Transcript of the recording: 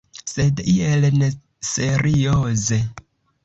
Sed iel neserioze.